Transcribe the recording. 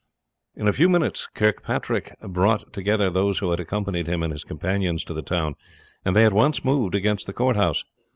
In a few minutes Kirkpatrick brought together those who had accompanied him and his companions to the town, and they at once moved against the courthouse.